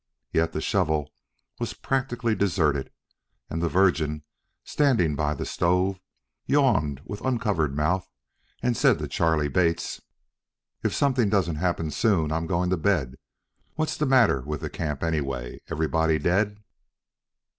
Yet the Shovel was practically deserted, and the Virgin, standing by the stove, yawned with uncovered mouth and said to Charley Bates: "If something don't happen soon, I'm gin' to bed. What's the matter with the camp, anyway? Everybody dead?"